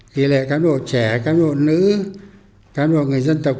tỷ lệ cán bộ trẻ cán bộ nữ cán bộ người dân tộc